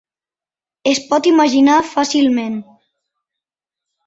Es pot imaginar fàcilment.